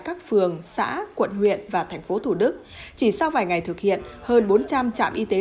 các phường xã quận huyện và thành phố thủ đức chỉ sau vài ngày thực hiện hơn bốn trăm linh trạm y tế